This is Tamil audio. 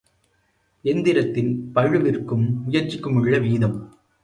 எந்திரத்தின் பளுவிற்கும் முயற்சிக்குமுள்ள வீதம்.